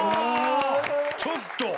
ちょっと！